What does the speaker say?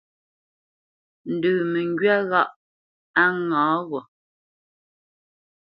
Ndə məŋgywá ghâʼ a ŋǎ gho?